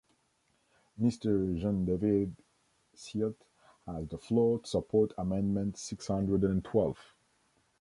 Mr Jean-David Ciot has the floor to support amendment six hundred and twelve.